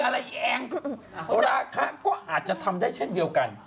อีแองราคาก็อาจจะทำได้เช่นเดียวกัน